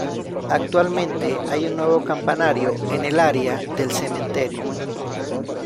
Actualmente hay un nuevo campanario en el área del cementerio.